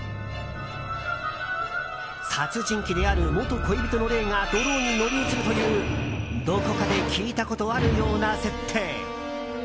殺人鬼である元恋人の霊がドローンに乗り移るというどこかで聞いたことあるような設定。